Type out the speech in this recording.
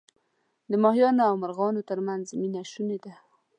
د ماهیانو او مرغانو ترمنځ مینه شوني ده.